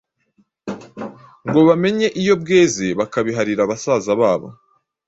ngo bamenye iyo bweze bakabiharira basaza babo.